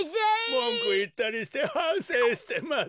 もんくをいったりしてはんせいしてます。